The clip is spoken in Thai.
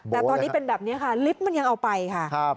แต่ตอนนี้เป็นแบบนี้ค่ะลิฟต์มันยังเอาไปค่ะ